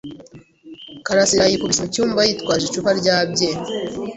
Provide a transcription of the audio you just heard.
Karasirayikubise mucyumba, yitwaje icupa rya bye